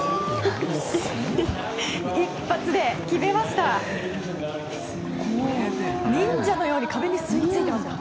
一発で決めました。